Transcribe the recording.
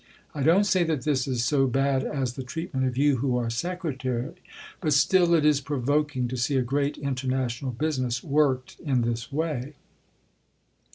I don't say that this is so bad as the treatment of you who are Secretary. But still it is provoking to see a great International business worked in this way.